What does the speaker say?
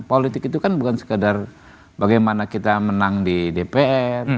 politik itu kan bukan sekedar bagaimana kita menang di dpr